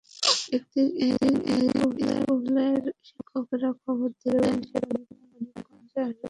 একদিন স্কুলের শিক্ষকেরা খবর দিলেন শেরে বাংলা মানিকগঞ্জে আসবেন নির্বাচনের প্রচারে।